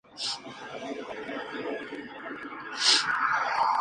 De manera general la fiesta marca el inicio de la llegada de los carnavales.